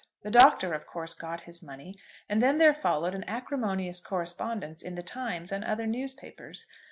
The Doctor, of course, got his money, and then there followed an acrimonious correspondence in the "Times" and other newspapers.